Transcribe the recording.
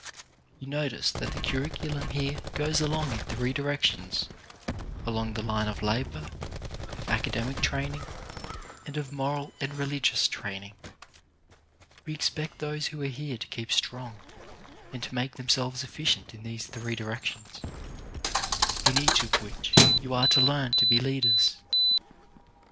You notice that the curriculum here goes along in three directions — along the line of labour, of academic training, and of moral and religious training. We expect those who are here to keep strong, and to make them selves efficient in these three directions, in each of which you are to learn to be leaders.